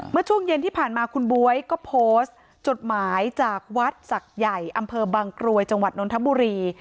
เมื่อช่วงเย็นที่ผ่านมาคุณบ๊วยก็โพสต์จดหมายจากวัดศักดิ์ใหญ่อำเภอบางกรวยจังหวัดนทบุรี